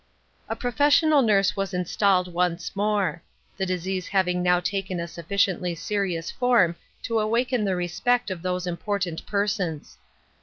A professional nurse was installed once more ; the disease having now taken a sufficiently serious form to awaken the respect of those important persons.